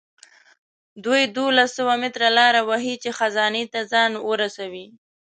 دوی دولس سوه متره لاره وهي چې خزانې ته ځان ورسوي.